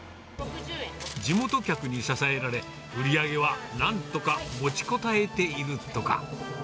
地元客に支えられ、売り上げはなんとか持ちこたえているとか。